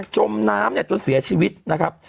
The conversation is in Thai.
จมน้ำจนเสียชีวิตนะครับ